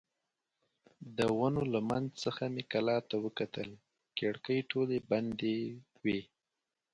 د ونو له منځ څخه مې کلا ته وکتل، کړکۍ ټولې بندې وې.